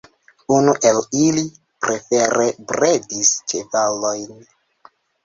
Unu el ili, prefere, bredis ĉevalojn.